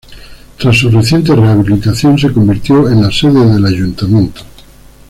Tras su reciente rehabilitación, se convirtió en la sede del Ayuntamiento.